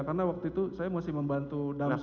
karena waktu itu saya masih membantu damso